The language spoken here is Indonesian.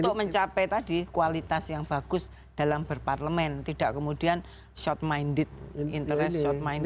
untuk mencapai tadi kualitas yang bagus dalam berparlemen tidak kemudian short minded interest short minded